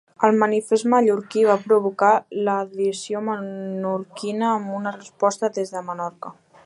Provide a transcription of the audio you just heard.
El manifest mallorquí va provocar l'adhesió menorquina amb una Resposta des de Menorca.